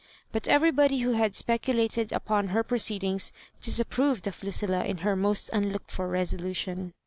But everybody who had speculated up on her proceedings disapproved of Lucilla In her most unlooked for resolution.